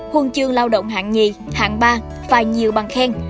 huân chương lao động hạng nhì hạng ba và nhiều bằng khen